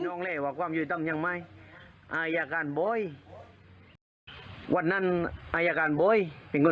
ตัวแป้งเสียเหลี่ยบร้อยเรียว